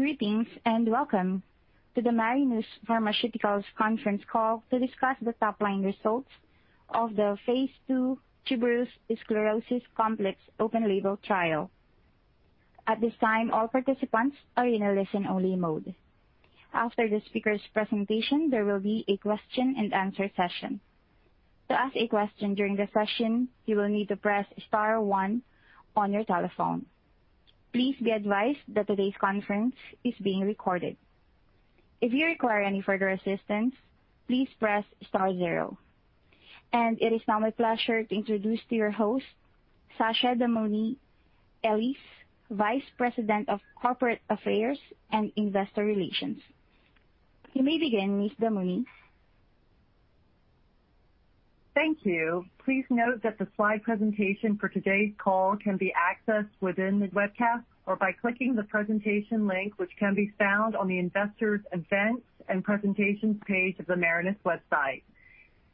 Greetings and welcome to the Marinus Pharmaceuticals confernce call to discuss the top-line results of the phase II tuberous sclerosis complex open label, at this time all participants are on listen-only mode. After speakers’ presentation there will be a question-and-answer session. To ask a question during the session, you will need to press star one on your telephone. Please be advised that todays’ conference is being recorded. If you require any further assistance, please press star zero. It is now my pleasure to introduce to your host, Sasha Damouni Ellis, Vice President of Corporate Affairs and Investor Relations. You may begin, Miss Damouni. Thank you. Please note that the slide presentation for today's call can be accessed within the webcast or by clicking the presentation link, which can be found on the Investors Events and Presentations page of the Marinus website.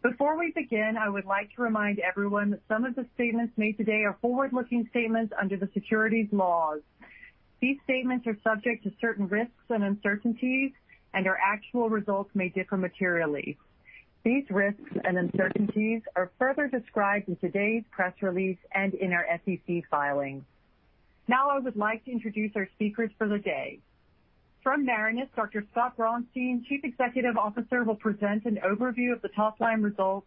Before we begin, I would like to remind everyone that some of the statements made today are forward-looking statements under the securities laws. These statements are subject to certain risks and uncertainties, our actual results may differ materially. These risks and uncertainties are further described in today's press release and in our SEC filings. I would like to introduce our speakers for the day. From Marinus, Dr. Scott Braunstein, Chief Executive Officer, will present an overview of the top-line results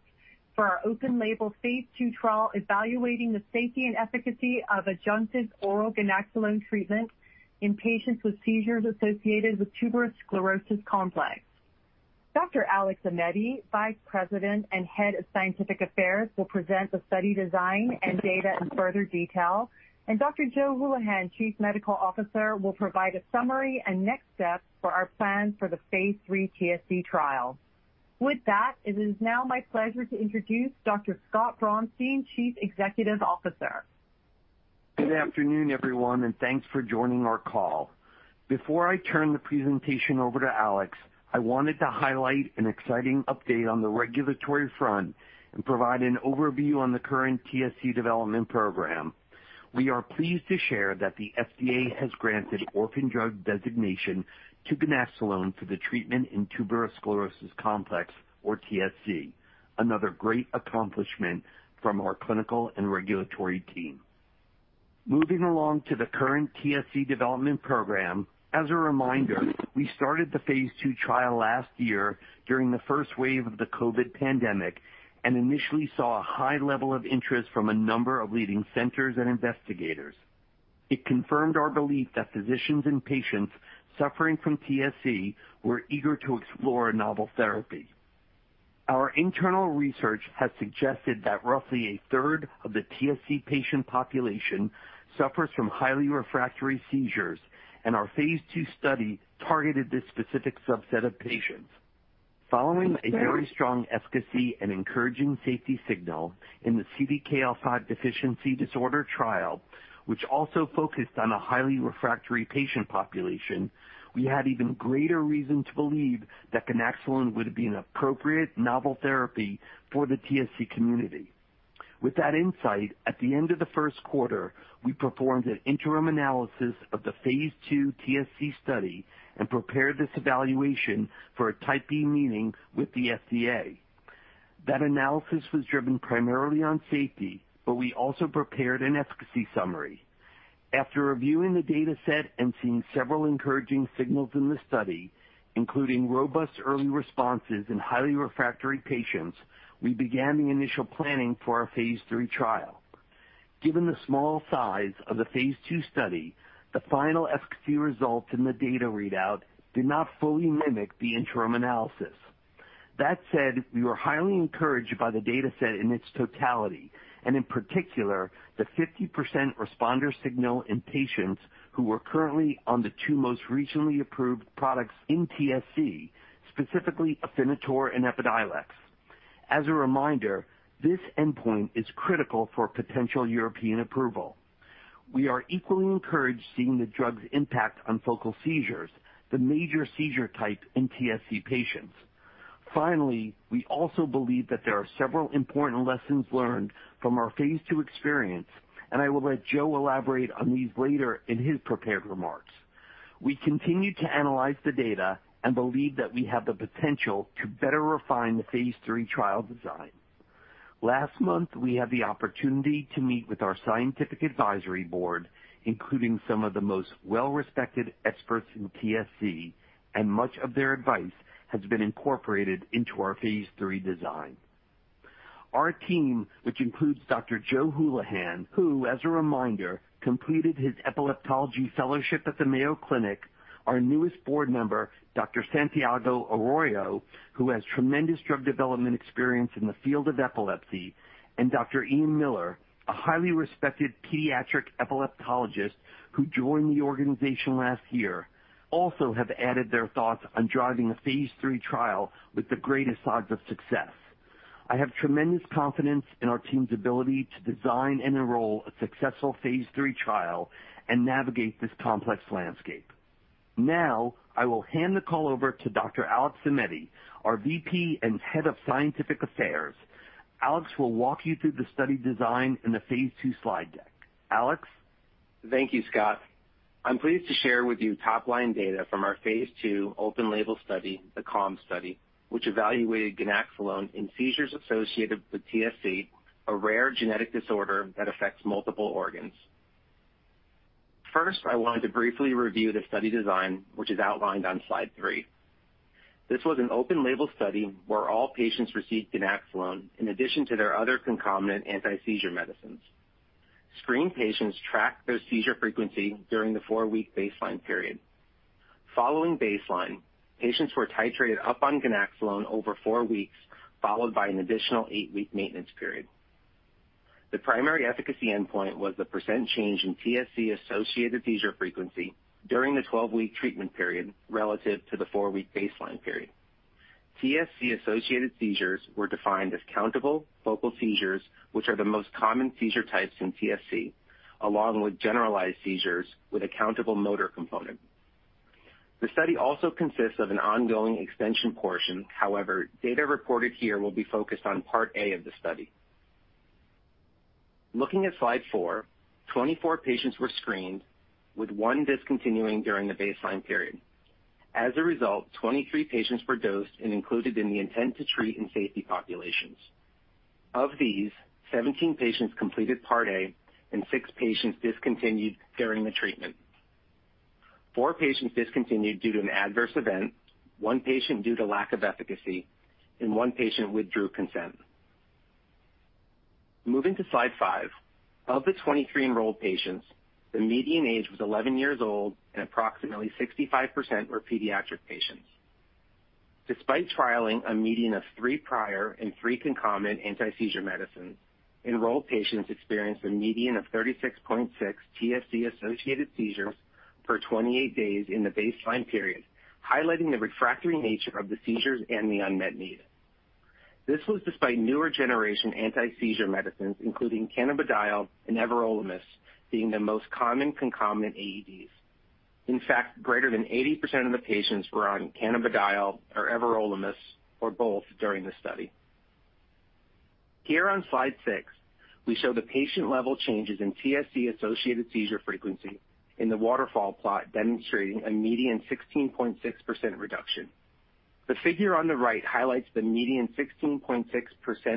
for our open label phase II trial evaluating the safety and efficacy of adjunctive oral ganaxolone treatment in patients with seizures associated with tuberous sclerosis complex. Dr. Alex Aimetti, Vice President and Head of Scientific Affairs, will present the study design and data in further detail. Dr. Joe Hulihan, Chief Medical Officer, will provide a summary and next steps for our plans for the phase III TSC trial. With that, it is now my pleasure to introduce Dr. Scott Braunstein, Chief Executive Officer. Good afternoon, everyone, thanks for joining our call. Before I turn the presentation over to Alex, I wanted to highlight an exciting update on the regulatory front and provide an overview on the current TSC development program. We are pleased to share that the FDA has granted orphan drug designation to ganaxolone for the treatment in tuberous sclerosis complex or TSC. Another great accomplishment from our clinical and regulatory team. Moving along to the current TSC development program, as a reminder, we started the phase II trial last year during the first wave of the COVID pandemic and initially saw a high level of interest from a number of leading centers and investigators. It confirmed our belief that physicians and patients suffering from TSC were eager to explore a novel therapy. Our internal research has suggested that roughly a third of the TSC patient population suffers from highly refractory seizures, and our phase II study targeted this specific subset of patients. Following a very strong efficacy and encouraging safety signal in the CDKL5 deficiency disorder trial, which also focused on a highly refractory patient population, we had even greater reason to believe that ganaxolone would be an appropriate novel therapy for the TSC community. With that insight, at the end of the first quarter, we performed an interim analysis of the phase II TSC study and prepared this evaluation for a Type B meeting with the FDA. That analysis was driven primarily on safety, but we also prepared an efficacy summary. After reviewing the data set and seeing several encouraging signals in the study, including robust early responses in highly refractory patients, we began the initial planning for our phase III trial. Given the small size of the phase II study, the final efficacy results in the data readout did not fully mimic the interim analysis. That said, we were highly encouraged by the data set in its totality and in particular, the 50% responder signal in patients who were currently on the two most recently approved products in TSC, specifically Afinitor and EPIDIOLEX. As a reminder, this endpoint is critical for potential European approval. We are equally encouraged seeing the drug's impact on focal seizures, the major seizure type in TSC patients. Finally, we also believe that there are several important lessons learned from our phase II experience, and I will let Joe elaborate on these later in his prepared remarks. We continue to analyze the data and believe that we have the potential to better refine the phase III trial design. Last month, we had the opportunity to meet with our Scientific Advisory Board, including some of the most well-respected experts in TSC, and much of their advice has been incorporated into our phase III design. Our team, which includes Dr. Joe Hulihan, who, as a reminder, completed his epileptology fellowship at the Mayo Clinic. Our newest board member, Dr. Santiago Arroyo, who has tremendous drug development experience in the field of epilepsy, and Dr. Ian Miller, a highly respected pediatric epileptologist who joined the organization last year, also have added their thoughts on driving a phase III trial with the greatest odds of success. I have tremendous confidence in our team's ability to design and enroll a successful phase III trial and navigate this complex landscape. Now, I will hand the call over to Dr. Alex Aimetti, our VP and Head of Scientific Affairs. Alex will walk you through the study design and the phase II slide deck. Alex? Thank you, Scott. I'm pleased to share with you top-line data from our phase II open-label study, the CALM study, which evaluated ganaxolone in seizures associated with TSC, a rare genetic disorder that affects multiple organs. First, I wanted to briefly review the study design, which is outlined on slide three. This was an open-label study where all patients received ganaxolone in addition to their other concomitant anti-seizure medicines. Screened patients tracked their seizure frequency during the four-week baseline period. Following baseline, patients were titrated up on ganaxolone over four weeks, followed by an additional Eight-week maintenance period. The primary endpoint was the % change in TSC-associated seizure frequency during the 12-week treatment period relative to the four-week baseline period. TSC-associated seizures were defined as countable focal seizures, which are the most common seizure types in TSC, along with generalized seizures with a countable motor component. The study also consists of an ongoing expansion portion; however, data reported here will be focused on part A of the study. Looking at slide four, 24 patients were screened, with one discontinuing during the baseline period. 23 patients were dosed and included in the intent-to-treat in safety populations. Of these, 17 patients completed part A, and six patients discontinued during the treatment. Four patients discontinued due to an adverse event, one patient due to lack of efficacy, and one patient withdrew consent. Moving to slide five. Of the 23 enrolled patients, the median age was 11 years old, and approximately 65% were pediatric patients. Despite trialing a median of 3 prior and 3 concomitant anti-seizure medicines, enrolled patients experienced a median of 36.6 TSC-associated seizures per 28 days in the baseline period, highlighting the refractory nature of the seizures and the unmet need. This was despite newer generation anti-seizure medicines, including cannabidiol and everolimus, being the most common concomitant AEDs. Greater than 80% of the patients were on cannabidiol or everolimus, or both, during the study. On slide six, we show the patient-level changes in TSC-associated seizure frequency in the waterfall plot, demonstrating a median 16.6% reduction. The figure on the right highlights the median 16.6%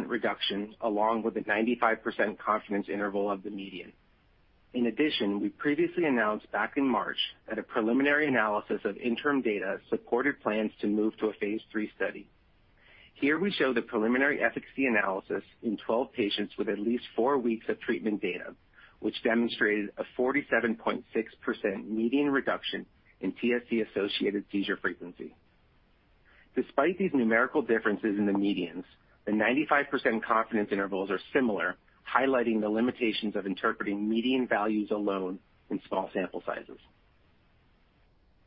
reduction, along with a 95% confidence interval of the median. We previously announced back in March that a preliminary analysis of interim data supported plans to move to a phase III study. We show the preliminary efficacy analysis in 12 patients with at least four weeks of treatment data, which demonstrated a 47.6% median reduction in TSC-associated seizure frequency. Despite these numerical differences in the medians, the 95% confidence intervals are similar, highlighting the limitations of interpreting median values alone in small sample sizes.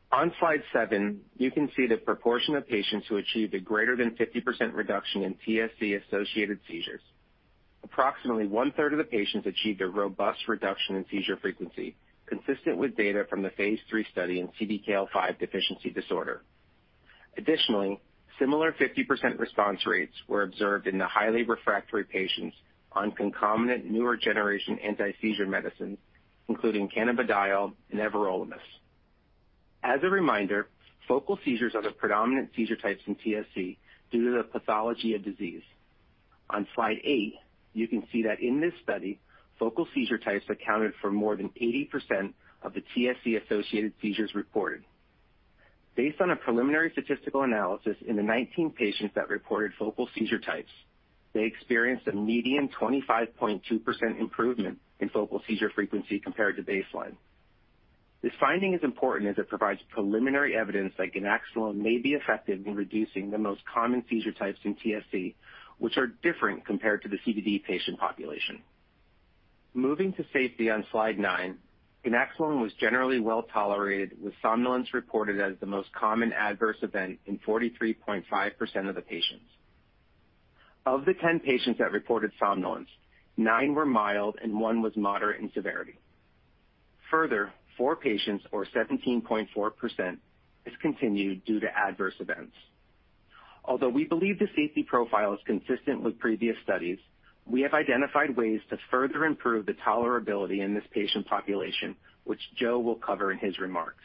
On slide seven, you can see the proportion of patients who achieved a greater than 50% reduction in TSC-associated seizures. Approximately 1/3 of the patients achieved a robust reduction in seizure frequency, consistent with data from the phase III study in CDKL5 deficiency disorder. Additionally, similar 50% response rates were observed in the highly refractory patients on concomitant newer generation anti-seizure medicines, including cannabidiol and everolimus. As a reminder, focal seizures are the predominant seizure types in TSC due to the pathology of disease. On slide eight, you can see that in this study, focal seizure types accounted for more than 80% of the TSC-associated seizures reported. Based on a preliminary statistical analysis in the 19 patients that reported focal seizure types, they experienced a median 25.2% improvement in focal seizure frequency compared to baseline. This finding is important as it provides preliminary evidence that ganaxolone may be effective in reducing the most common seizure types in TSC, which are different compared to the CDD patient population. Moving to safety on slide nine, ganaxolone was generally well-tolerated, with somnolence reported as the most common adverse event in 43.5% of the patients. Of the 10 patients that reported somnolence, nine were mild and one was moderate in severity. Further, four patients, or 17.4%, discontinued due to adverse events. Although we believe the safety profile is consistent with previous studies, we have identified ways to further improve the tolerability in this patient population, which Joe will cover in his remarks.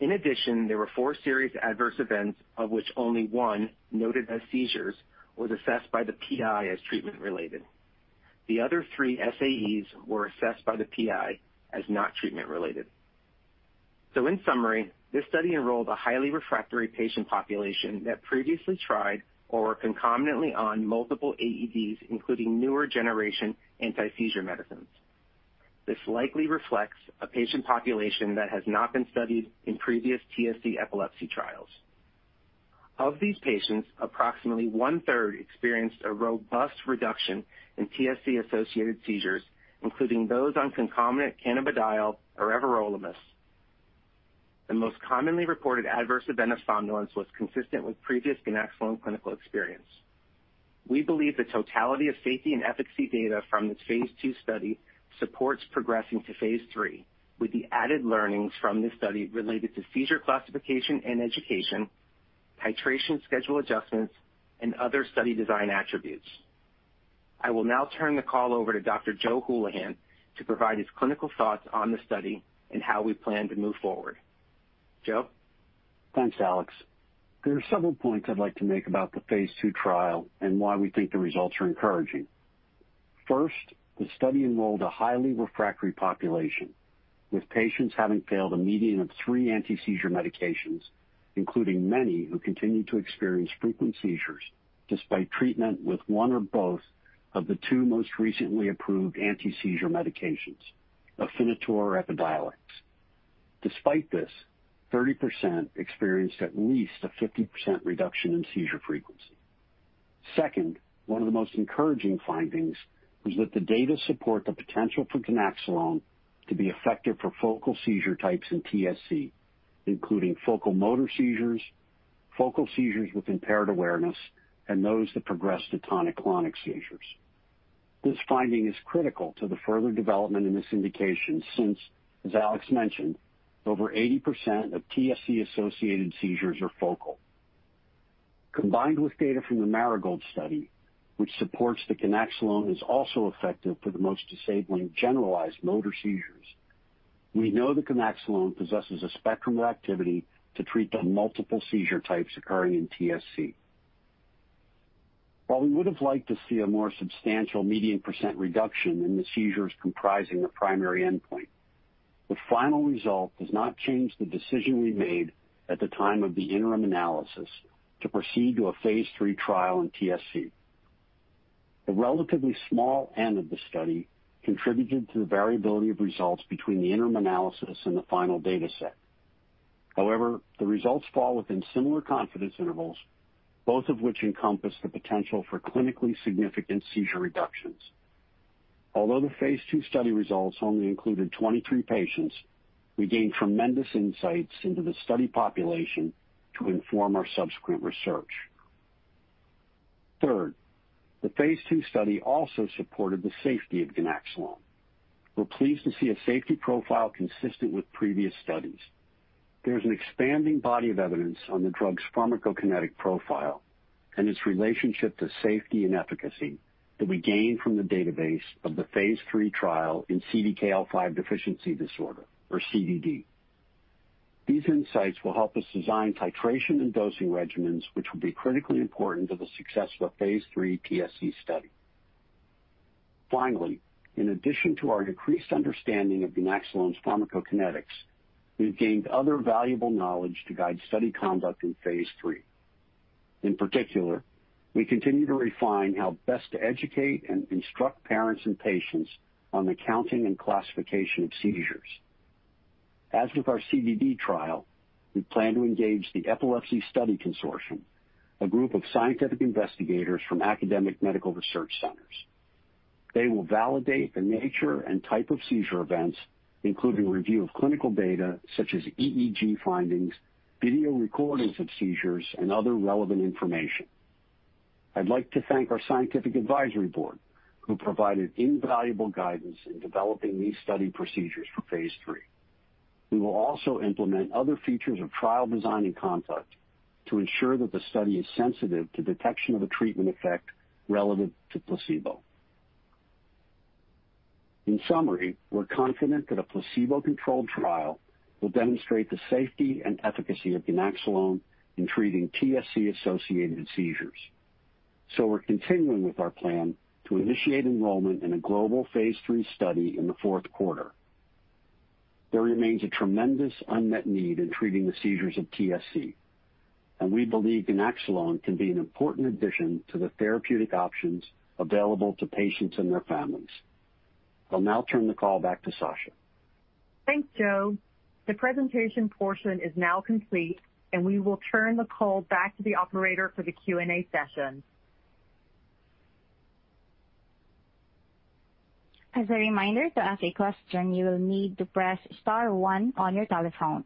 In addition, there were four serious adverse events, of which only one, noted as seizures, was assessed by the PI as treatment-related. The other three SAEs were assessed by the PI as not treatment-related. In summary, this study enrolled a highly refractory patient population that previously tried or were concomitantly on multiple AEDs, including newer generation anti-seizure medicines. This likely reflects a patient population that has not been studied in previous TSC epilepsy trials. Of these patients, approximately one-third experienced a robust reduction in TSC-associated seizures, including those on concomitant cannabidiol or everolimus. The most commonly reported adverse event of somnolence was consistent with previous ganaxolone clinical experience. We believe the totality of safety and efficacy data from this phase II study supports progressing to phase III, with the added learnings from this study related to seizure classification and education, titration schedule adjustments, and other study design attributes. I will now turn the call over to Dr. Joseph Hulihan to provide his clinical thoughts on the study and how we plan to move forward. Joe? Thanks, Alex. There are several points I'd like to make about the phase II trial and why we think the results are encouraging. First, the study enrolled a highly refractory population, with patients having failed a median of three anti-seizure medications, including many who continued to experience frequent seizures despite treatment with one or both of the two most recently approved anti-seizure medications, Afinitor or EPIDIOLEX. Despite this, 30% experienced at least a 50% reduction in seizure frequency. Second, one of the most encouraging findings was that the data support the potential for ganaxolone to be effective for focal seizure types in TSC, including focal motor seizures, focal seizures with impaired awareness, and those that progress to tonic-clonic seizures. This finding is critical to the further development in this indication since, as Alex mentioned, over 80% of TSC-associated seizures are focal. Combined with data from the Marigold study, which supports that ganaxolone is also effective for the most disabling generalized motor seizures, we know that ganaxolone possesses a spectrum of activity to treat the multiple seizure types occurring in TSC. While we would've liked to see a more substantial median percent reduction in the seizures comprising the primary endpoint, the final result does not change the decision we made at the time of the interim analysis to proceed to a phase III trial in TSC. The relatively small N of the study contributed to the variability of results between the interim analysis and the final data set. However, the results fall within similar confidence intervals, both of which encompass the potential for clinically significant seizure reductions. Although the phase II study results only included 23 patients, we gained tremendous insights into the study population to inform our subsequent research. The phase II study also supported the safety of ganaxolone. We're pleased to see a safety profile consistent with previous studies. There's an expanding body of evidence on the drug's pharmacokinetic profile and its relationship to safety and efficacy that we gained from the database of the phase III trial in CDKL5 deficiency disorder, or CDD. These insights will help us design titration and dosing regimens, which will be critically important to the success of a phase III TSC study. In addition to our increased understanding of ganaxolone's pharmacokinetics, we've gained other valuable knowledge to guide study conduct in phase III. In particular, we continue to refine how best to educate and instruct parents and patients on the counting and classification of seizures. As with our CDD trial, we plan to engage the Epilepsy Study Consortium, a group of scientific investigators from academic medical research centers. They will validate the nature and type of seizure events, including review of clinical data such as EEG findings, video recordings of seizures, and other relevant information. I'd like to thank our Scientific Advisory Board, who provided invaluable guidance in developing these study procedures for phase III. We will also implement other features of trial design and conduct to ensure that the study is sensitive to detection of a treatment effect relevant to placebo. In summary, we're confident that a placebo-controlled trial will demonstrate the safety and efficacy of ganaxolone in treating TSC-associated seizures. We're continuing with our plan to initiate enrollment in a global phase III study in the fourth quarter. There remains a tremendous unmet need in treating the seizures of TSC, and we believe ganaxolone can be an important addition to the therapeutic options available to patients and their families. I'll now turn the call back to Sasha. Thanks, Joe. The presentation portion is now complete, and we will turn the call back to the operator for the Q&A session. As a reminder, to ask your question you will need to press star one on your telephone.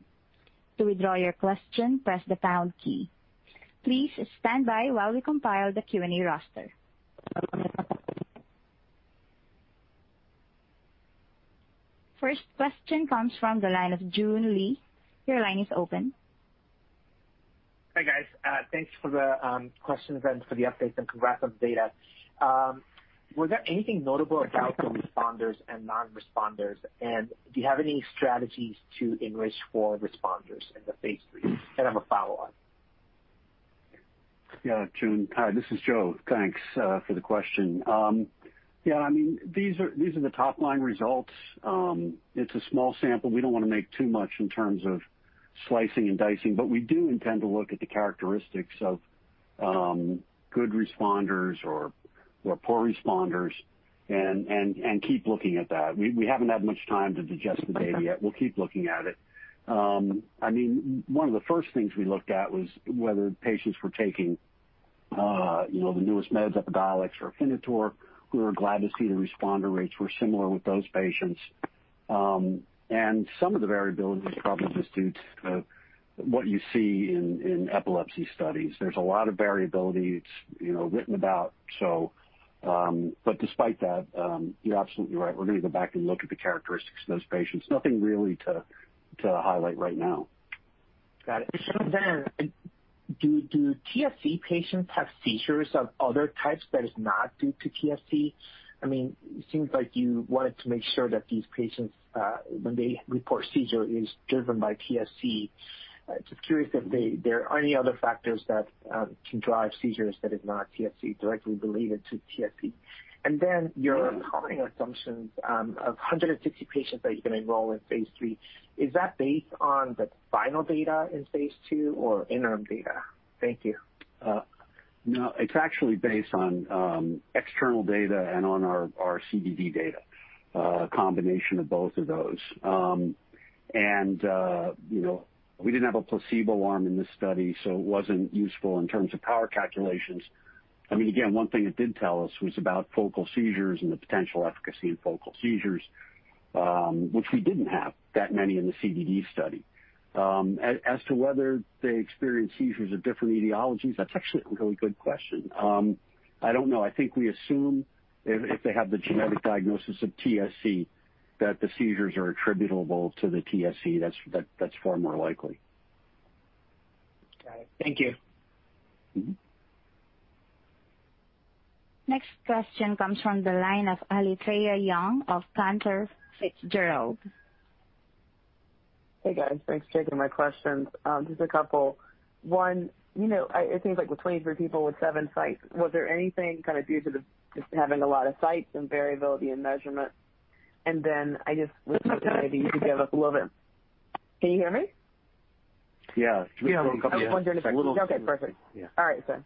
To withdraw your question, press the dial key. Please standby while we compile the Q&A roster. First question comes from the line of Joon Lee. Your line is open. Hi, guys. Thanks for the questions and for the updates, and congrats on the data. Was there anything notable about the responders and non-responders, and do you have any strategies to enrich for responders in the phase III? I have a follow-on. Yeah, Joon. Hi, this is Joe. Thanks for the question. Yeah, these are the top-line results. It's a small sample. We don't want to make too much in terms of slicing and dicing, but we do intend to look at the characteristics of good responders or poor responders and keep looking at that. We haven't had much time to digest the data yet. We'll keep looking at it. One of the first things we looked at was whether patients were taking the newest meds, EPIDIOLEX or Afinitor. We were glad to see the responder rates were similar with those patients. Some of the variability is probably just due to what you see in epilepsy studies. There's a lot of variability. It's written about. Despite that, you're absolutely right. We're going to go back and look at the characteristics of those patients. Nothing really to highlight right now. Got it. Do TSC patients have seizures of other types that is not due to TSC? It seems like you wanted to make sure that these patients, when they report seizure, it is driven by TSC. Just curious if there are any other factors that can drive seizures that is not TSC, directly related to TSC. Your underlying assumptions of 150 patients that you're going to enroll in phase III, is that based on the final data in phase II or interim data? Thank you. No, it's actually based on external data and on our CDD data, a combination of both of those. We didn't have a placebo arm in this study, so it wasn't useful in terms of power calculations. Again, one thing it did tell us was about focal seizures and the potential efficacy in focal seizures, which we didn't have that many in the CDD study. As to whether they experience seizures of different etiologies, that's actually a really good question. I don't know. I think we assume if they have the genetic diagnosis of TSC, that the seizures are attributable to the TSC. That's far more likely. Got it. Thank you. Next question comes from the line of Alethia Young of Cantor Fitzgerald. Hey, guys. Thanks for taking my questions. Just a couple. One, it seems like with 23 people with seven sites, was there anything kind of due to just having a lot of sites and variability in measurement? I just was hoping maybe you could give us a little bit. Can you hear me? Yeah. Yeah. Okay, perfect. Yeah. All right, sir.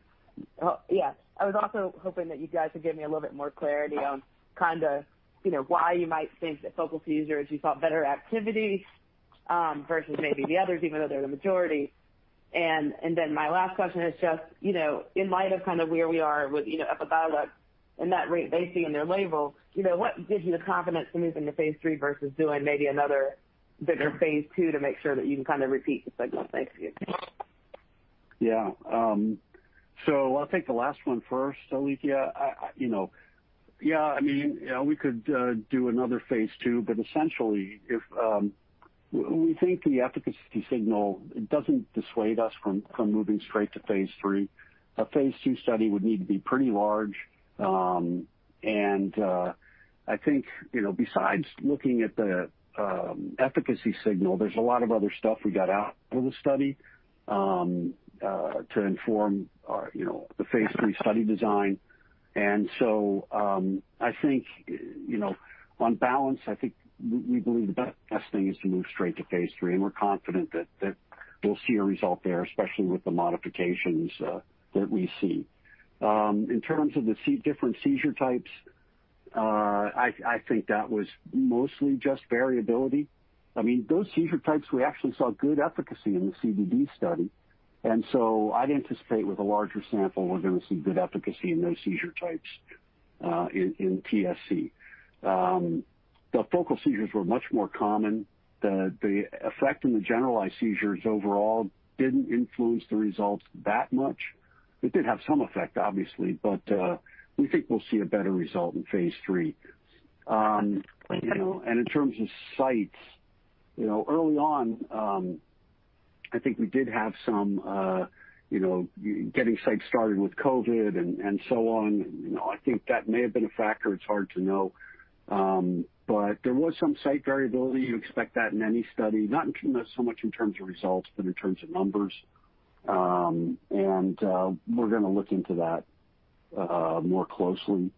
I was also hoping that you guys could give me a little bit more clarity on why you might think that focal seizures, you saw better activity versus maybe the others, even though they're the majority. My last question is just, in light of kind of where we are with EPIDIOLEX and that rate they see in their label, what gives you the confidence to move into phase III versus doing maybe another bigger phase II to make sure that you can kind of repeat the signal? Thank you. I'll take the last one first, Alethia. We could do another phase II, but essentially, we think the efficacy signal, it doesn't dissuade us from moving straight to phase III. A phase II study would need to be pretty large. I think, besides looking at the efficacy signal, there's a lot of other stuff we got out of the study to inform the phase III study design. I think, on balance, I think we believe the best thing is to move straight to phase III, and we're confident that we'll see a result there, especially with the modifications that we see. In terms of the different seizure types, I think that was mostly just variability. Those seizure types, we actually saw good efficacy in the CDD study, and so I'd anticipate with a larger sample, we're going to see good efficacy in those seizure types in TSC. The focal seizures were much more common. The effect on the generalized seizures overall didn't influence the results that much. It did have some effect, obviously, but we think we'll see a better result in phase III. Thank you. In terms of sites, early on, I think we did have some getting sites started with COVID and so on. I think that may have been a factor. It's hard to know. There was some site variability. You expect that in any study, not so much in terms of results, but in terms of numbers. We're going to look into that more closely.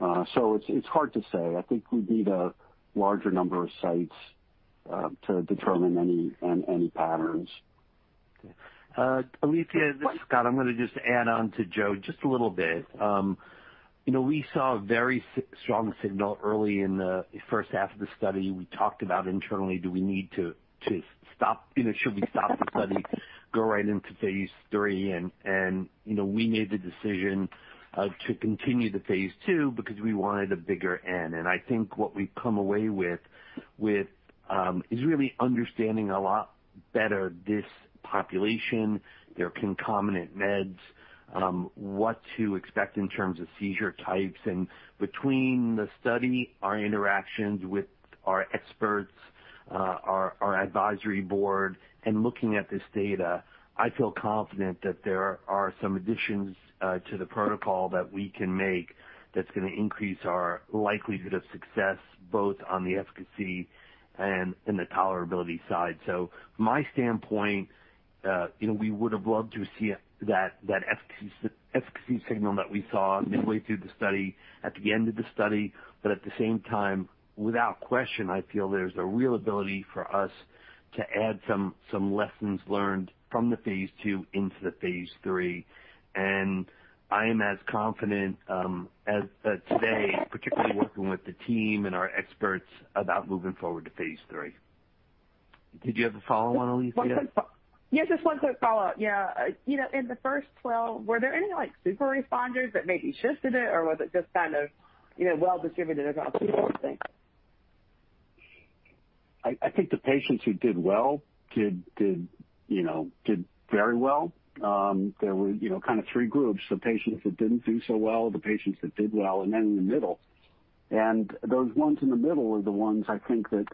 It's hard to say. I think we'd need a larger number of sites to determine any patterns. Alethia, this is Scott. I'm going to just add on to Joe just a little bit. We saw a very strong signal early in the first half of the study. We talked about internally, should we stop the study, go right into phase III? We made the decision to continue to phase II because we wanted a bigger N. I think what we've come away with is really understanding a lot better this population, their concomitant meds, what to expect in terms of seizure types. Between the study, our interactions with our experts, our advisory board, and looking at this data, I feel confident that there are some additions to the protocol that we can make that's going to increase our likelihood of success, both on the efficacy and in the tolerability side. My standpoint, we would've loved to see that efficacy signal that we saw midway through the study, at the end of the study. At the same time, without question, I feel there's a real ability for us to add some lessons learned from the phase II into the phase III, and I am as confident today, particularly working with the team and our experts, about moving forward to phase III. Did you have a follow-on, Alethia? Yeah, just one quick follow-up. Yeah. In the first 12, were there any super responders that maybe shifted it, or was it just kind of well distributed across the whole thing? I think the patients who did well did very well. There were three groups, the patients that didn't do so well, the patients that did well, and then in the middle. Those ones in the middle are the ones I think that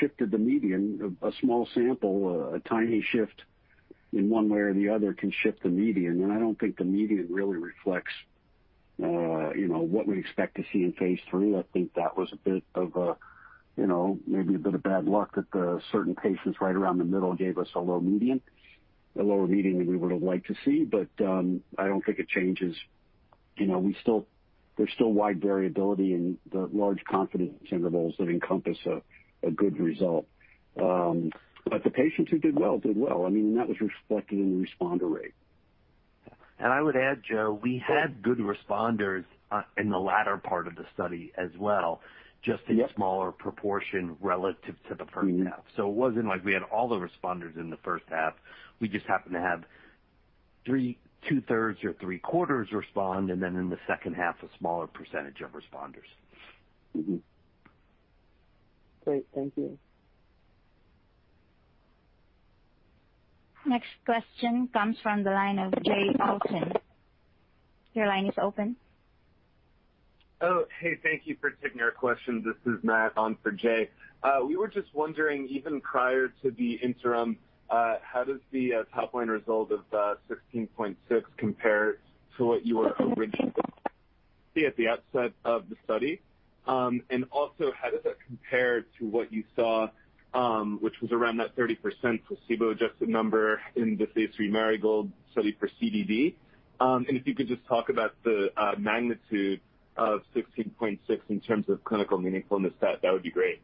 shifted the median. A small sample, a tiny shift in one way or the other can shift the median, and I don't think the median really reflects what we expect to see in phase III. I think that was maybe a bit of bad luck that the certain patients right around the middle gave us a low median, a lower median than we would've liked to see. I don't think it changes. There's still wide variability in the large confidence intervals that encompass a good result. The patients who did well, did well. That was reflected in the responder rate. I would add, Joe, we had good responders in the latter part of the study as well, just in smaller proportion relative to the first half. It wasn't like we had all the responders in the first half. We just happened to have 2/3 or three quarters respond, and then in the second half, a smaller percentage of responders. Mm-hmm. Great. Thank you. Next question comes from the line of Jay Olson. Your line is open. Hey. Thank you for taking our question. This is Matt on for Jay. We were just wondering, even prior to the interim, how does the top-line result of 16.6% compare to what you were originally at the outset of the study? Also, how does that compare to what you saw, which was around that 30% placebo-adjusted number in the phase III Marigold study for CDD? If you could just talk about the magnitude of 16.6% in terms of clinical meaningfulness stat, that would be great.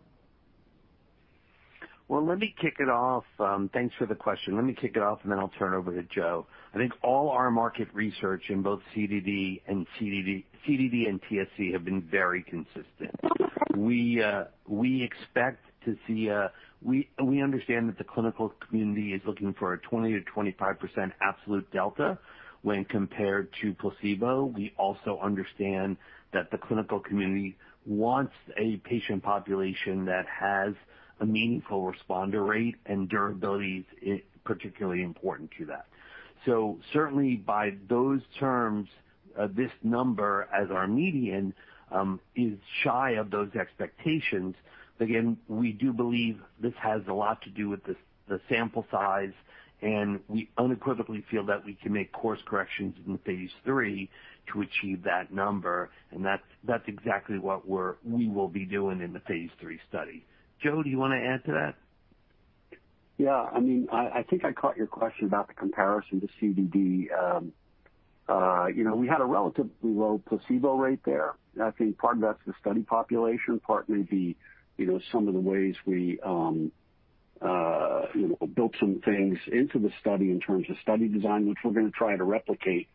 Well, let me kick it off. Thanks for the question. Let me kick it off and then I'll turn it over to Joe. I think all our market research in both CDD and TSC have been very consistent. We understand that the clinical community is looking for a 20%-25% absolute delta when compared to placebo. We also understand that the clinical community wants a patient population that has a meaningful responder rate, and durability is particularly important to that. Certainly, by those terms, this number as our median, is shy of those expectations. Again, we do believe this has a lot to do with the sample size, and we unequivocally feel that we can make course corrections in the phase III to achieve that number, and that's exactly what we will be doing in the phase III study. Joe, do you want to add to that? Yeah. I think I caught your question about the comparison to CDD. We had a relatively low placebo rate there. I think part of that's the study population, part may be some of the ways we built some things into the study in terms of study design, which we're going to try to replicate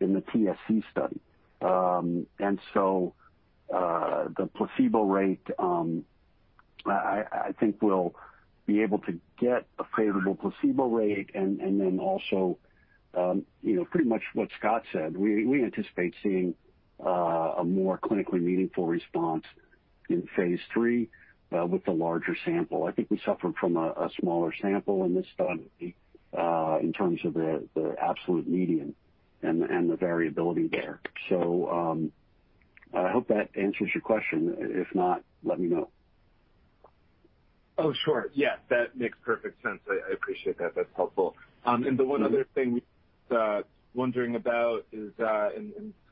in the TSC study. The placebo rate, I think we'll be able to get a favorable placebo rate and then also, pretty much what Scott said, we anticipate seeing a more clinically meaningful response in phase III with the larger sample. I think we suffered from a smaller sample in this study, in terms of the absolute median and the variability there. I hope that answers your question. If not, let me know. Oh, sure. Yeah. That makes perfect sense. I appreciate that. That's helpful. The one other thing we were wondering about is,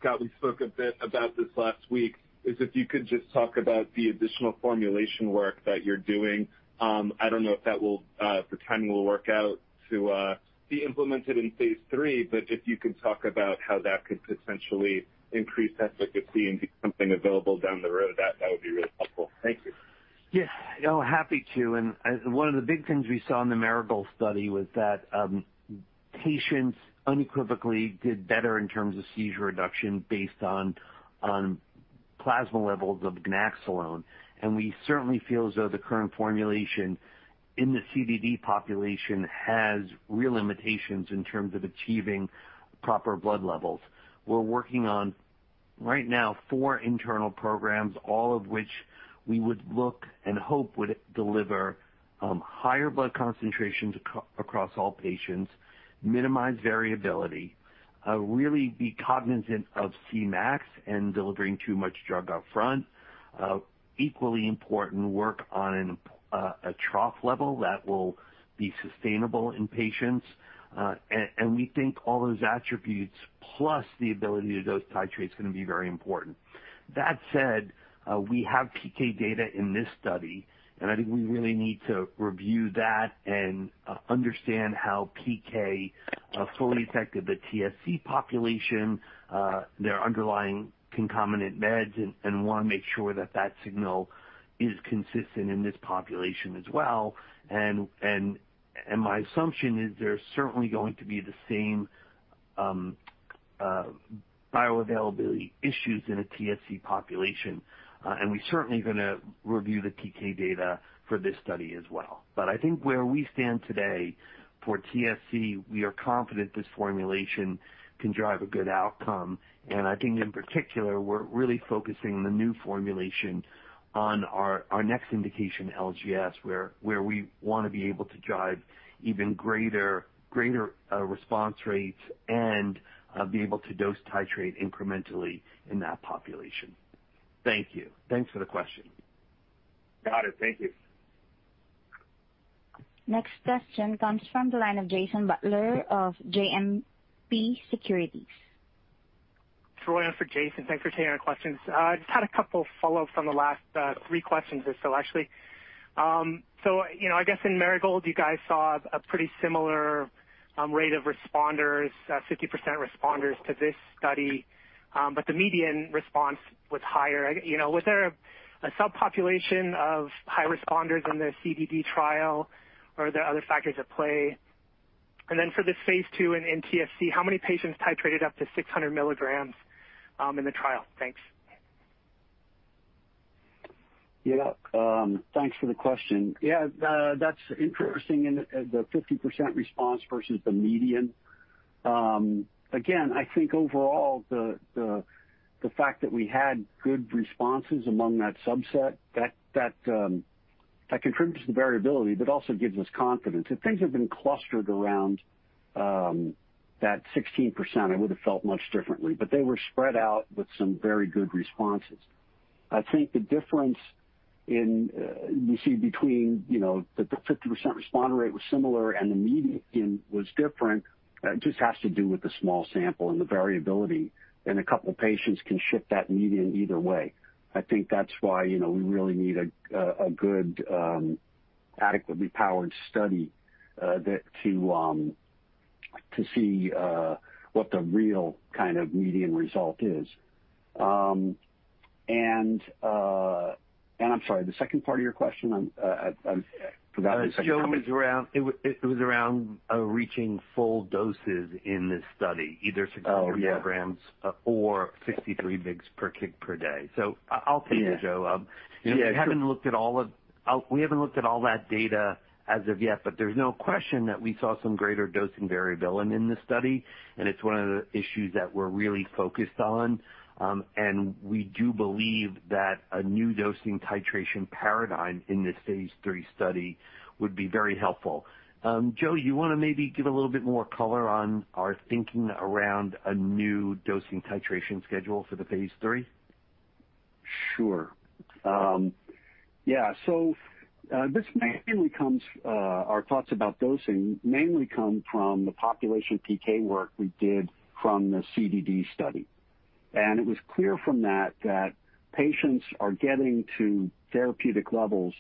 Scott, we spoke a bit about this last week, is if you could just talk about the additional formulation work that you're doing. I don't know if the timing will work out to be implemented in phase III, but if you could talk about how that could potentially increase efficacy and be something available down the road, that would be really helpful. Thank you. Yeah. Happy to. One of the big things we saw in the Marigold study was that patients unequivocally did better in terms of seizure reduction based on plasma levels of ganaxolone. We certainly feel as though the current formulation in the CDD population has real limitations in terms of achieving proper blood levels. We're working on, right now, four internal programs, all of which we would look and hope would deliver higher blood concentrations across all patients, minimize variability, really be cognizant of Cmax and delivering too much drug up front. Equally important, work on a trough level that will be sustainable in patients. We think all those attributes plus the ability to dose titrate is going to be very important. That said, we have PK data in this study, and I think we really need to review that and understand how PK fully affected the TSC population, their underlying concomitant meds, and want to make sure that that signal is consistent in this population as well. My assumption is there's certainly going to be the same bioavailability issues in a TSC population. We're certainly going to review the PK data for this study as well. I think where we stand today for TSC, we are confident this formulation can drive a good outcome. I think in particular, we're really focusing the new formulation on our next indication, LGS, where we want to be able to drive even greater response rates and be able to dose titrate incrementally in that population. Thank you. Thanks for the question. Got it. Thank you. Next question comes from the line of Jason Butler of JMP Securities. It's Roy on for Jason. Thanks for taking our questions. Just had a couple follow-ups from the last three questions or so, actually. I guess in Marigold, you guys saw a pretty similar rate of responders, 50% responders to this study. The median response was higher. Was there a subpopulation of high responders in the CDD trial or are there other factors at play? For this phase II in TSC, how many patients titrated up to 600 mg in the trial? Thanks. Thanks for the question. That's interesting in the 50% response versus the median. I think overall, the fact that we had good responses among that subset, that contributes to the variability, but also gives us confidence. If things had been clustered around that 16%, I would've felt much differently, but they were spread out with some very good responses. I think the difference you see between the 50% responder rate was similar and the median was different, just has to do with the small sample and the variability, and a couple of patients can shift that median either way. I think that's why we really need a good, adequately powered study to see what the real kind of median result is. I'm sorry, the second part of your question, I forgot the second part. Joe, it was around reaching full doses in this study. Either 600 mg or 63 mg per kg per day. I'll take it, Joe. Yeah. We haven't looked at all that data as of yet, but there's no question that we saw some greater dosing variability in this study, and it's one of the issues that we're really focused on. We do believe that a new dosing titration paradigm in this phase III study would be very helpful. Joe, you want to maybe give a little bit more color on our thinking around a new dosing titration schedule for the phase III? Sure. Yeah. Our thoughts about dosing mainly come from the population PK work we did from the CDD study. It was clear from that patients are getting to therapeutic levels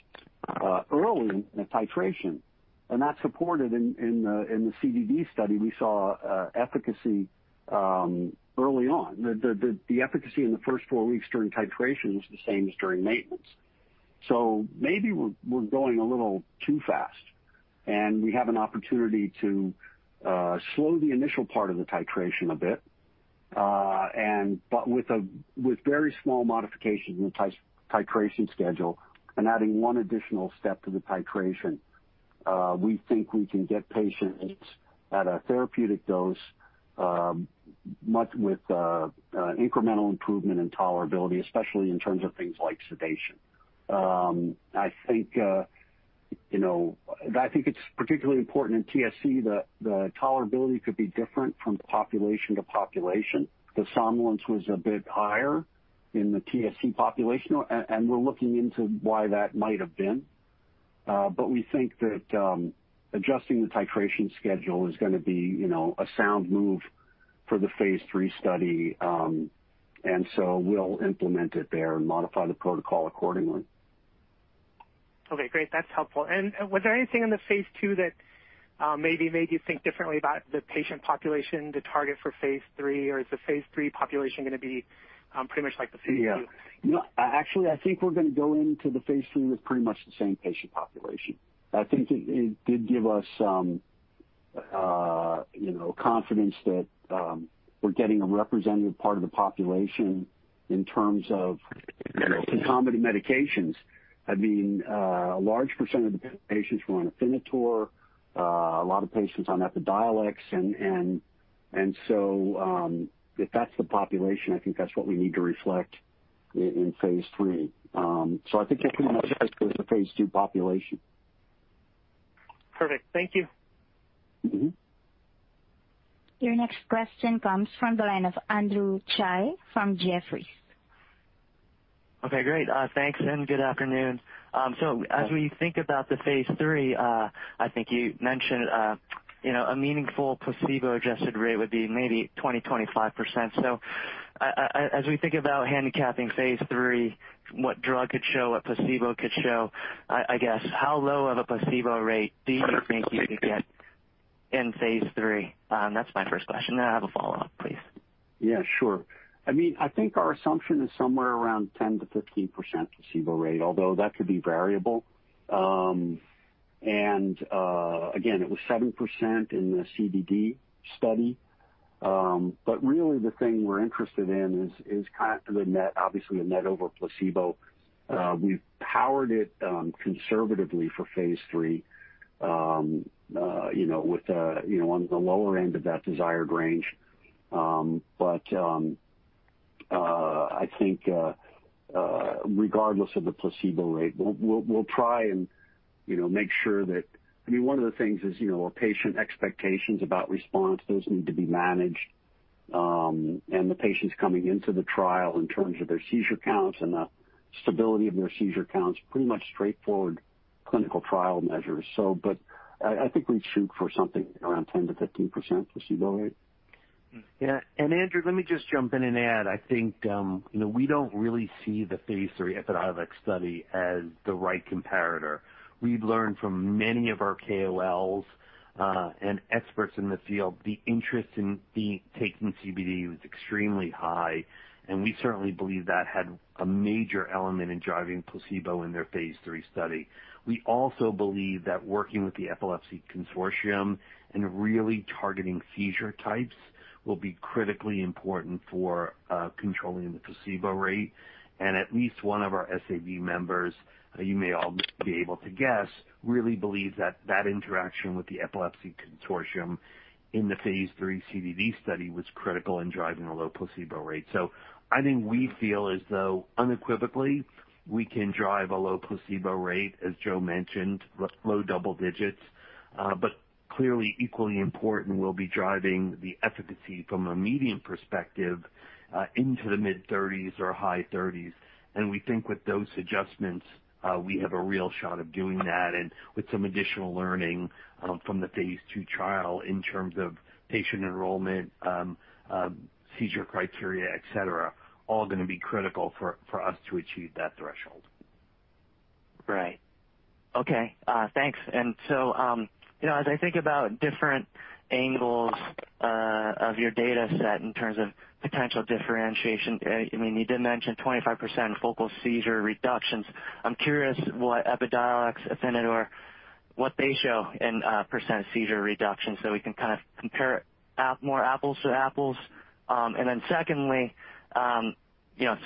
early in the titration, and that's supported in the CDD study. We saw efficacy early on. The efficacy in the first four weeks during titration was the same as during maintenance. Maybe we're going a little too fast, and we have an opportunity to slow the initial part of the titration a bit. With very small modifications in the titration schedule and adding one additional step to the titration, we think we can get patients at a therapeutic dose, with incremental improvement in tolerability, especially in terms of things like sedation. I think it's particularly important in TSC that the tolerability could be different from population to population. The somnolence was a bit higher in the TSC population, and we're looking into why that might have been. We think that adjusting the titration schedule is going to be a sound move for the phase III study. We'll implement it there and modify the protocol accordingly. Okay, great. That's helpful. Was there anything in the phase II that maybe made you think differently about the patient population to target for phase III, or is the phase III population going to be pretty much like the phase II? Yeah. No, actually, I think we're going to go into the phase III with pretty much the same patient population. I think it did give us confidence that we're getting a representative part of the population in terms of concomitant medications. A large percent of the patients were on Afinitor, a lot of patients on EPIDIOLEX, and so, if that's the population, I think that's what we need to reflect in phase III. I think it's pretty much the same as the phase II population. Perfect. Thank you. Your next question comes from the line of Andrew Tsai from Jefferies. Okay, great. Thanks, good afternoon. As we think about the phase III, I think you mentioned a meaningful placebo-adjusted rate would be maybe 20%, 25%. As we think about handicapping phase III, what drug could show, what placebo could show, I guess, how low of a placebo rate do you think you could get in phase III? That's my first question, I have a follow-up, please. Yeah, sure. I think our assumption is somewhere around 10%-15% placebo rate, although that could be variable. Again, it was 7% in the CDD study. Really the thing we're interested in is obviously the net over placebo. We've powered it conservatively for phase III on the lower end of that desired range. I think regardless of the placebo rate. One of the things is our patient expectations about response, those need to be managed. And the patients coming into the trial in terms of their seizure counts and the stability of their seizure counts, pretty much straightforward clinical trial measures. I think we'd shoot for something around 10%-15% placebo rate. Yeah. Andrew, let me just jump in and add, I think we don't really see the phase III EPIDIOLEX study as the right comparator. We've learned from many of our KOLs, and experts in the field, the interest in taking CDD was extremely high, and we certainly believe that had a major element in driving placebo in their phase III study. We also believe that working with the Epilepsy Consortium and really targeting seizure types will be critically important for controlling the placebo rate. At least one of our SAB members, you may all be able to guess, really believes that that interaction with the Epilepsy Consortium in the phase III CDD study was critical in driving a low placebo rate. I think we feel as though unequivocally, we can drive a low placebo rate, as Joe mentioned, low double digits. Clearly equally important will be driving the efficacy from a median perspective, into the mid-30s or high 30s. We think with those adjustments, we have a real shot of doing that and with some additional learning from the phase II trial in terms of patient enrollment, seizure criteria, et cetera, all going to be critical for us to achieve that threshold. Right. Okay. Thanks. As I think about different angles of your data set in terms of potential differentiation, you did mention 25% focal seizure reductions. I'm curious what EPIDIOLEX, Afinitor, what they show in percent seizure reduction so we can kind of compare more apples to apples. Secondly,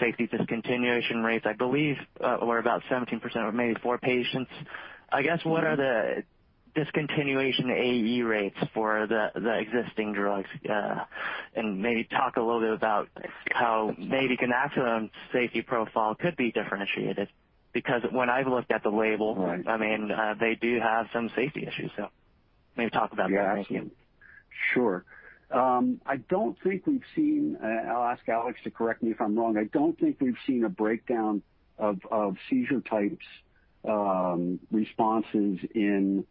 safety discontinuation rates, I believe, were about 17% or maybe four patients. I guess, what are the discontinuation AE rates for the existing drugs? Maybe talk a little bit about how maybe ganaxolone safety profile could be differentiated, because when I've looked at the label. Right. they do have some safety issues. Maybe talk about that. Yeah. Sure. I don't think we've seen, I'll ask Alex to correct me if I'm wrong. I don't think we've seen a breakdown of seizure types responses in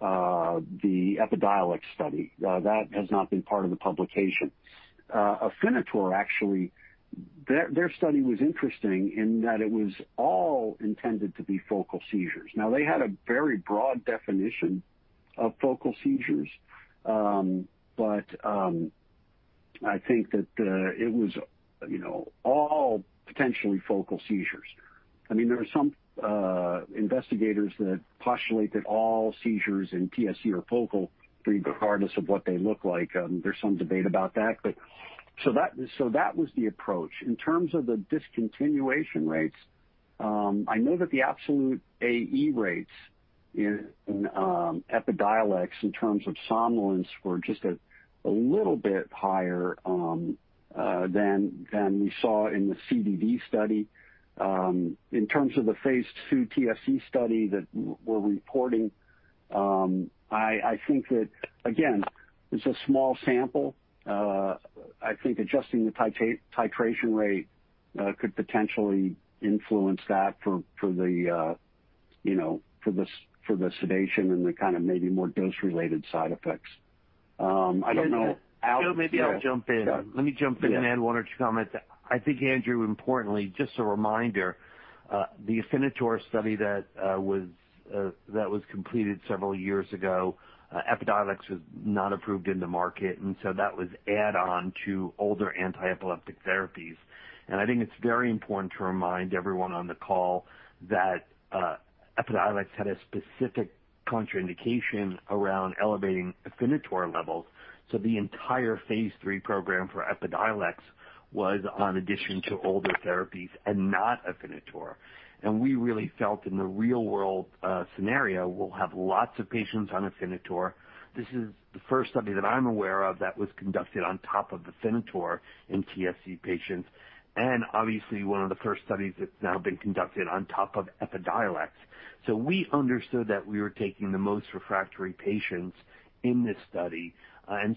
the EPIDIOLEX study. That has not been part of the publication. Afinitor, actually, their study was interesting in that it was all intended to be focal seizures. Now they had a very broad definition of focal seizures. I think that it was all potentially focal seizures. There are some investigators that postulate that all seizures in TSC are focal regardless of what they look like. There's some debate about that, but so that was the approach. In terms of the discontinuation rates, I know that the absolute AE rates in EPIDIOLEX in terms of somnolence were just a little bit higher than we saw in the CDD study. In terms of the phase II TSC study that we're reporting, I think that, again, it's a small sample. I think adjusting the titration rate could potentially influence that for the sedation and the kind of maybe more dose-related side effects. I don't know. Alex. Joe, maybe I'll jump in. Yeah. Let me jump in and add one or two comments. I think, Andrew, importantly, just a reminder, the Afinitor study that was completed several years ago, EPIDIOLEX was not approved in the market, that was add on to older anti-epileptic therapies. I think it's very important to remind everyone on the call that EPIDIOLEX had a specific contraindication around elevating Afinitor levels. The entire phase III program for EPIDIOLEX was on addition to older therapies and not Afinitor. We really felt in the real-world scenario, we'll have lots of patients on Afinitor. This is the first study that I'm aware of that was conducted on top of Afinitor in TSC patients, and obviously one of the first studies that's now been conducted on top of EPIDIOLEX. We understood that we were taking the most refractory patients in this study.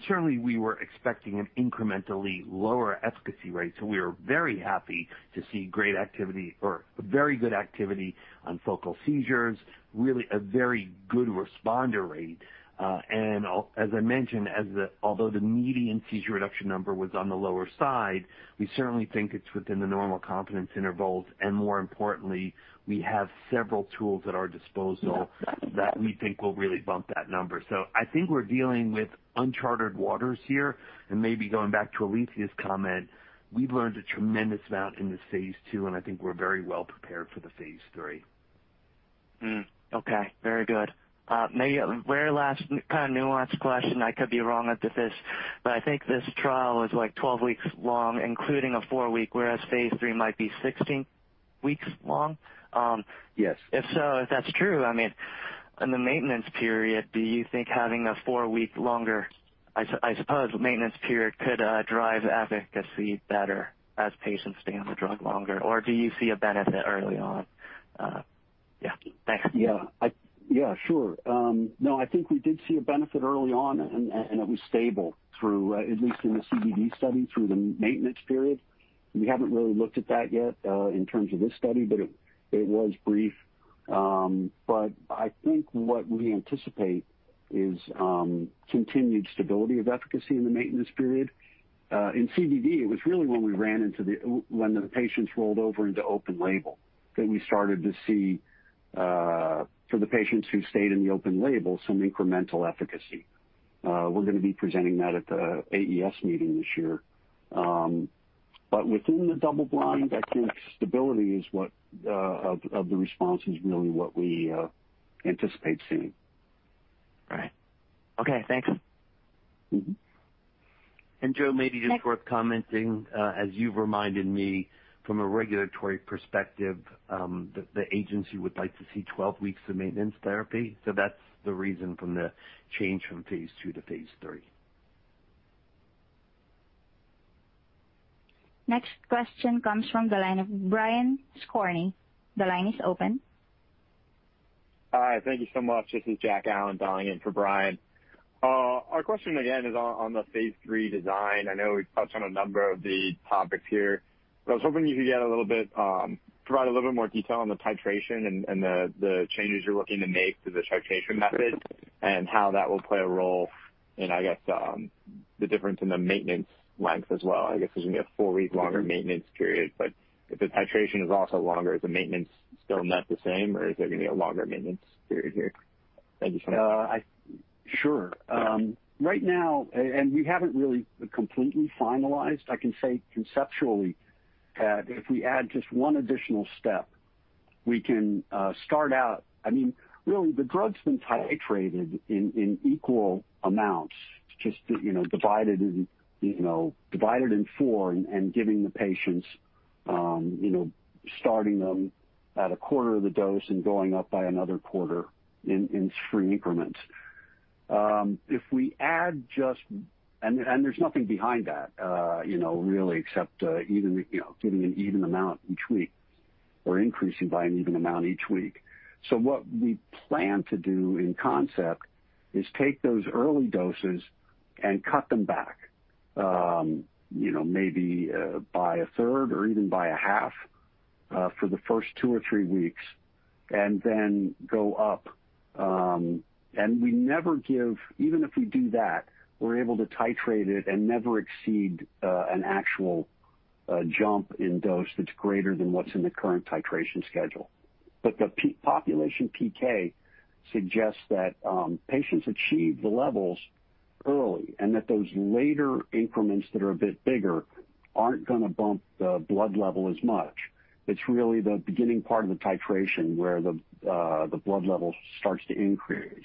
Certainly, we were expecting an incrementally lower efficacy rate. We are very happy to see great activity or very good activity on focal seizures. Really a very good responder rate. As I mentioned, although the median seizure reduction number was on the lower side, we certainly think it's within the normal confidence intervals. More importantly, we have several tools at our disposal that we think will really bump that number. I think we're dealing with unchartered waters here, and maybe going back to Alethia's comment, we've learned a tremendous amount in the phase II, and I think we're very well prepared for the phase III. Okay. Very good. Maybe a very last kind of nuanced question. I could be wrong with this, but I think this trial is like 12 weeks long, including a four-week, whereas phase III might be 16 weeks long. Yes. If so, if that's true, in the maintenance period, do you think having a four-week longer, I suppose, maintenance period could drive efficacy better as patients stay on the drug longer? Do you see a benefit early on? Yeah. Thanks. Yeah. Sure. No, I think we did see a benefit early on, and it was stable, at least in the CDD study, through the maintenance period. We haven't really looked at that yet in terms of this study, but it was brief. I think what we anticipate is continued stability of efficacy in the maintenance period. In CDD, it was really when the patients rolled over into open label that we started to see, for the patients who stayed in the open label, some incremental efficacy. We're going to be presenting that at the AES meeting this year. Within the double blind, I think stability of the response is really what we anticipate seeing. Right. Okay, thanks. Joe, maybe just worth commenting, as you've reminded me from a regulatory perspective, the agency would like to see 12 weeks of maintenance therapy. That's the reason from the change from phase II to phase III. Next question comes from the line of Brian Skorney. The line is open. Hi, thank you so much. This is Jack Allen dialing in for Brian. Our question again is on the phase III design. I know we've touched on a number of the topics here, but I was hoping you could provide a little bit more detail on the titration and the changes you're looking to make to the titration method and how that will play a role in, I guess, the difference in the maintenance length as well. I guess there's going to be a four-week longer maintenance period, but if the titration is also longer, is the maintenance still net the same, or is there going to be a longer maintenance period here? Thank you so much. Sure. Right now, we haven't really completely finalized. I can say conceptually that if we add just one additional step, really, the drug's been titrated in equal amounts, just divided in four and giving the patients, starting them at a quarter of the dose and going up by another quarter in three increments. There's nothing behind that, really, except giving an even amount each week or increasing by an even amount each week. What we plan to do in concept is take those early doses and cut them back, maybe by a third or even by a half for the first two or three weeks, and then go up. Even if we do that, we're able to titrate it and never exceed an actual jump in dose that's greater than what's in the current titration schedule. The population PK suggests that patients achieve the levels early and that those later increments that are a bit bigger aren't going to bump the blood level as much. It's really the beginning part of the titration where the blood level starts to increase.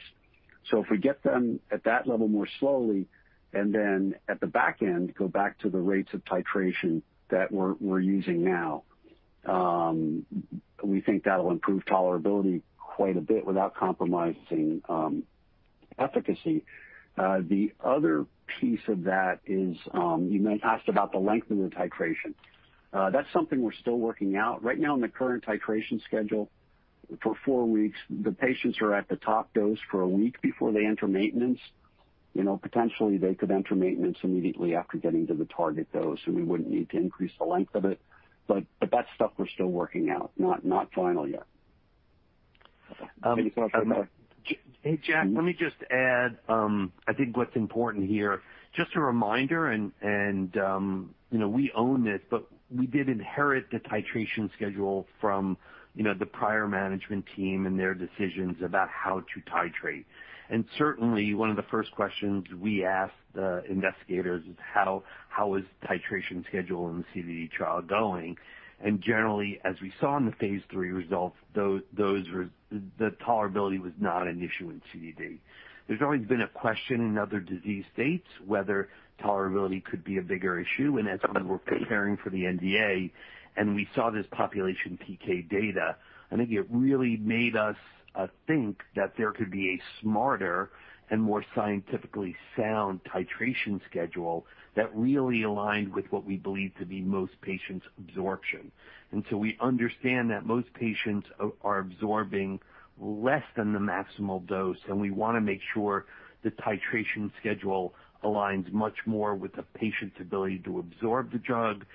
If we get them at that level more slowly, and then at the back end, go back to the rates of titration that we're using now, we think that'll improve tolerability quite a bit without compromising efficacy. The other piece of that is, you asked about the length of the titration. That's something we're still working out. Right now in the current titration schedule for four weeks, the patients are at the top dose for one week before they enter maintenance. Potentially, they could enter maintenance immediately after getting to the target dose, we wouldn't need to increase the length of it. That's stuff we're still working out. Not final yet. Hey, Jack, let me just add, I think what's important here, just a reminder and we own this, but we did inherit the titration schedule from the prior management team and their decisions about how to titrate. Certainly, one of the first questions we asked the investigators is how was titration schedule in the CDD trial going? Generally, as we saw in the phase III results, the tolerability was not an issue in CDD. There's always been a question in other disease states whether tolerability could be a bigger issue, and as we were preparing for the NDA and we saw this population PK data, I think it really made us think that there could be a smarter and more scientifically sound titration schedule that really aligned with what we believe to be most patients' absorption. We understand that most patients are absorbing less than the maximal dose, and we want to make sure the titration schedule aligns much more with the patient's ability to absorb the drug,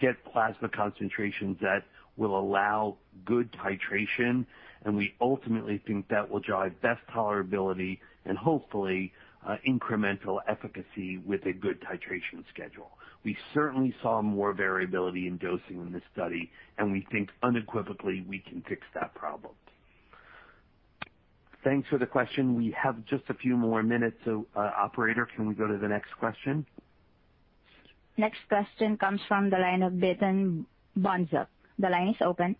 get plasma concentrations that will allow good titration, and we ultimately think that will drive best tolerability and hopefully, incremental efficacy with a good titration schedule. We certainly saw more variability in dosing in this study, and we think unequivocally we can fix that one problem. Thanks for the question. We have just a few more minutes. Operator, can we go to the next question? Next question comes from the line of Peyton Bohnsack. The line is open.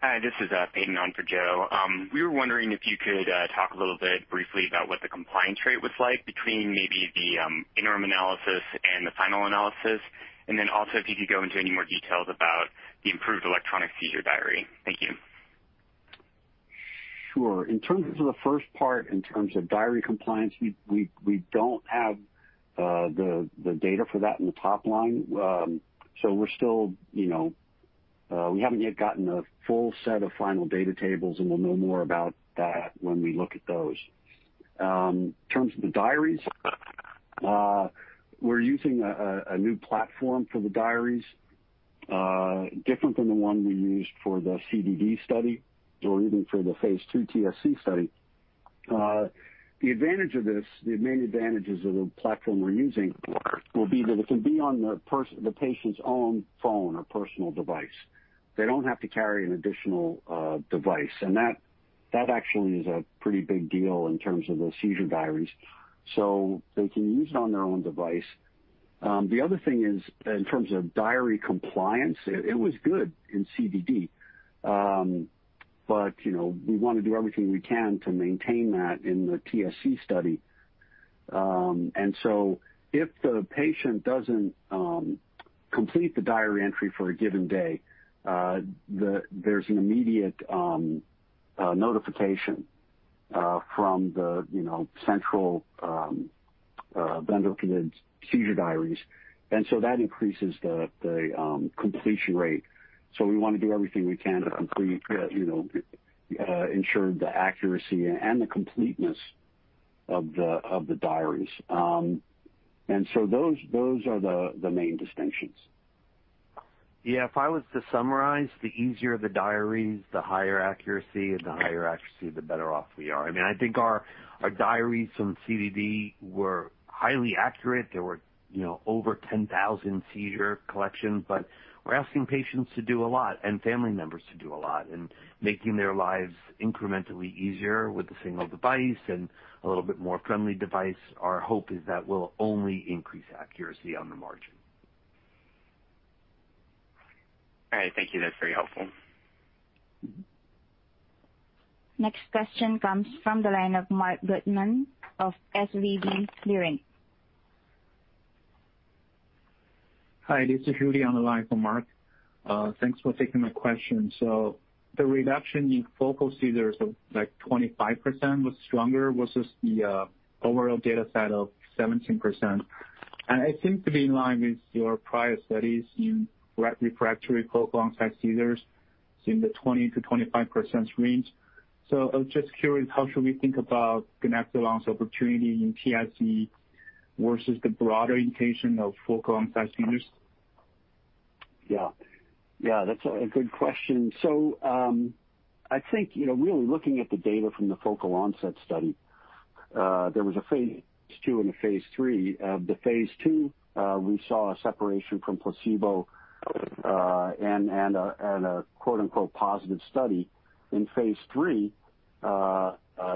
Hi, this is Peyton on for Joe. We were wondering if you could talk a little bit briefly about what the compliance rate was like between maybe the interim analysis and the final analysis, and then also if you could go into any more details about the improved electronic seizure diary. Thank you. Sure. In terms of the first part, in terms of diary compliance, we don't have the data for that in the top line. We haven't yet gotten a full set of final data tables, and we'll know more about that when we look at those. In terms of the diaries, we're using a new platform for the diaries, different than the one we used for the CDD study or even for the phase II TSC study. The main advantages of the platform we're using will be that it can be on the patient's own phone or personal device. They don't have to carry an additional device, and that actually is a pretty big deal in terms of the seizure diaries. They can use it on their own device. The other thing is, in terms of diary compliance, it was good in CDD. We want to do everything we can to maintain that in the TSC study. If the patient doesn't complete the diary entry for a given day, there's an immediate notification from the central vendor for the seizure diaries. That increases the completion rate. We want to do everything we can to ensure the accuracy and the completeness of the diaries. Those are the main distinctions. Yeah. If I was to summarize, the easier the diaries, the higher accuracy, and the higher accuracy, the better off we are. I think our diaries from CDD were highly accurate. There were over 10,000 seizure collections. We're asking patients to do a lot and family members to do a lot, and making their lives incrementally easier with a one device and a little bit more friendly device, our hope is that will only increase accuracy on the margin. All right. Thank you. That's very helpful. Next question comes from the line of Marc Goodman of SVB Leerink. Hi, this is Rudy on the line for Marc. Thanks for taking my question. The reduction in focal seizures of 25% was stronger versus the overall data set of 17%. It seems to be in line with your prior studies in refractory focal onset seizures in the 20%-25% range. I was just curious, how should we think about ganaxolone's opportunity in TSC versus the broader indication of focal onset seizures? That's a good question. I think, really looking at the data from the focal onset study, there was a phase II and a phase III. The phase II, we saw a separation from placebo and a quote-unquote positive study. In phase III,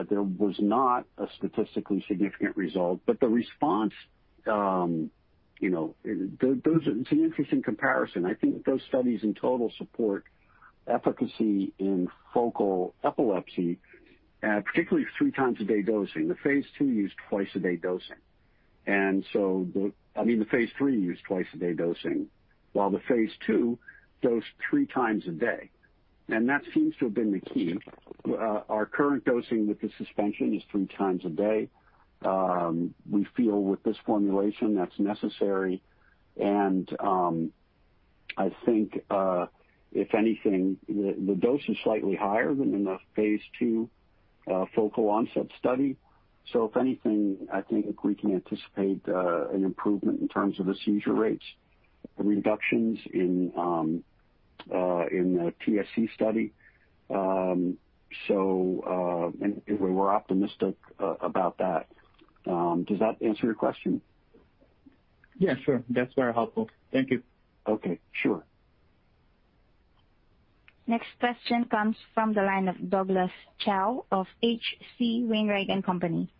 there was not a statistically significant result. It's an interesting comparison. I think those studies in total support efficacy in focal epilepsy, particularly three times a day dosing. The phase III used two times a day dosing, while the phase II dosed three times a day. That seems to have been the key. Our current dosing with the suspension is three times a day. We feel with this formulation, that's necessary. I think, if anything, the dose is slightly higher than in the phase II focal onset study. If anything, I think we can anticipate an improvement in terms of the seizure rates. The reductions in the TSC study. We're optimistic about that. Does that answer your question? Yeah, sure. That's very helpful. Thank you. Okay, sure. Next question comes from the line of Douglas Tsao of H.C. Wainwright & Company.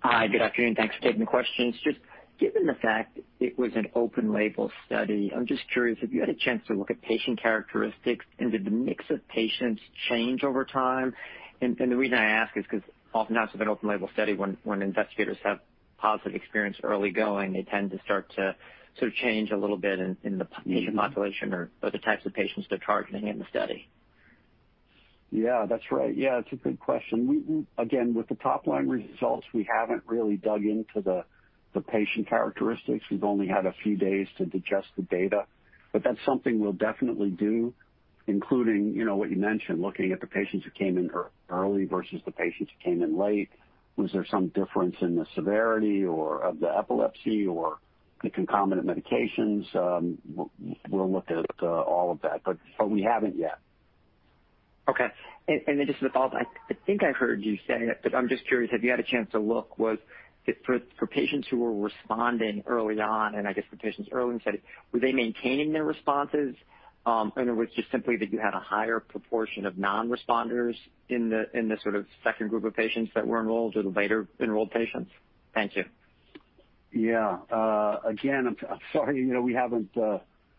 Hi, good afternoon. Thanks for taking the questions. Just given the fact it was an open label study, I'm just curious if you had a chance to look at patient characteristics and did the mix of patients change over time? The reason I ask is because oftentimes with an open label study, when investigators have positive experience early going, they tend to start to sort of change a little bit in the patient population or the types of patients they're targeting in the study. Yeah, that's right. Yeah, it's a good question. Again, with the top-line results, we haven't really dug into the patient characteristics. We've only had a few days to digest the data. That's something we'll definitely do, including what you mentioned, looking at the patients who came in early versus the patients who came in late. Was there some difference in the severity of the epilepsy or the concomitant medications? We'll look at all of that, but we haven't yet. Okay. Just as a follow-up, I think I heard you say, but I am just curious, have you had a chance to look, for patients who were responding early on, and I guess for patients early in the study, were they maintaining their responses? It was just simply that you had a higher proportion of non-responders in the sort of second group of patients that were enrolled or the later enrolled patients? Thank you. Yeah. Again, I'm sorry. We haven't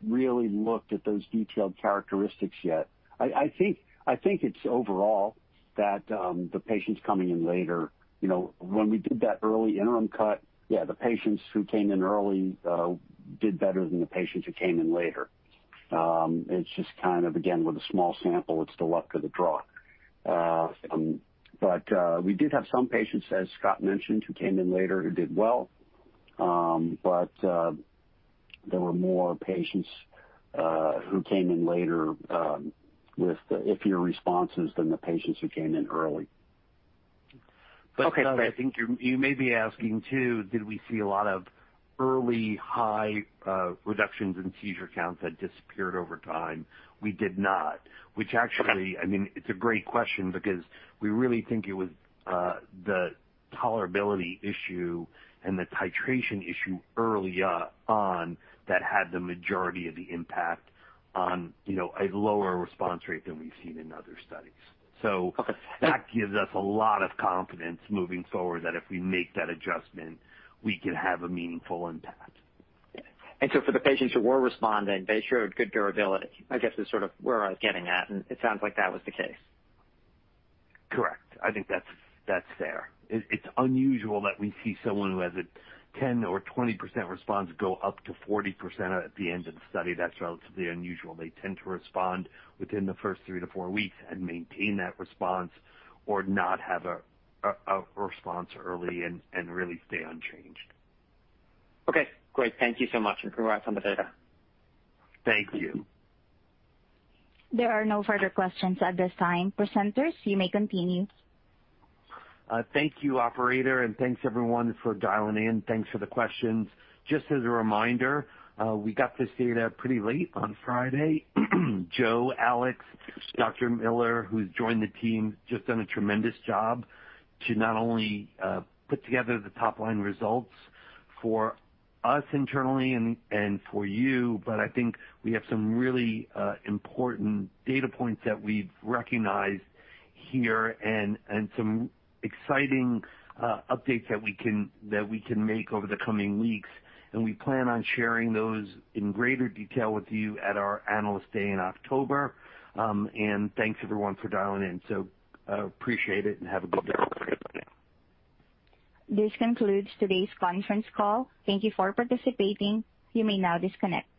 really looked at those detailed characteristics yet. I think it's overall that the patients coming in later. When we did that early interim cut, yeah, the patients who came in early did better than the patients who came in later. It's just, again, with a small sample, it's the luck of the draw. We did have some patients, as Scott mentioned, who came in later who did well. There were more patients who came in later with the iffier responses than the patients who came in early. Okay, great. Douglas, I think you may be asking too, did we see a lot of early high reductions in seizure counts that disappeared over time? We did not, which actually, it's a great question because we really think it was the tolerability issue and the titration issue early on that had the majority of the impact on a lower response rate than we've seen in other studies. Okay. That gives us a lot of confidence moving forward that if we make that adjustment, we can have a meaningful impact. For the patients who were responding, they showed good durability, I guess, is sort of where I was getting at, and it sounds like that was the case. Correct. I think that's fair. It's unusual that we see someone who has a 10% or 20% response go up to 40% at the end of the study. That's relatively unusual. They tend to respond within the first three to four weeks and maintain that response or not have a response early and really stay unchanged. Okay, great. Thank you so much. Look forward to some of the data. Thank you. There are no further questions at this time. Presenters, you may continue. Thank you, operator. Thanks everyone for dialing in. Thanks for the questions. Just as a reminder, we got this data pretty late on Friday. Joe, Alex, Dr. Miller, who's joined the team, just done a tremendous job to not only put together the top-line results for us internally and for you, but I think we have some really important data points that we've recognized here and some exciting updates that we can make over the coming weeks. We plan on sharing those in greater detail with you at our Analyst Day in October. Thanks everyone for dialing in. Appreciate it and have a good day. This concludes today's conference call. Thank you for participating. You may now disconnect.